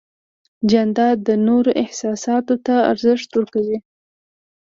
جانداد د نورو احساساتو ته ارزښت ورکوي.